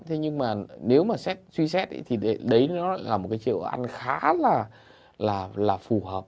thế nhưng mà nếu mà suy xét thì đấy là một cái chế độ ăn khá là phù hợp